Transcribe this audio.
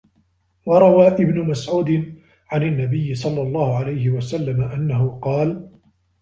وَرَوَى ابْنُ مَسْعُودٍ عَنْ النَّبِيِّ صَلَّى اللَّهُ عَلَيْهِ وَسَلَّمَ أَنَّهُ قَالَ